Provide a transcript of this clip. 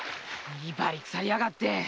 威張りくさりやがって！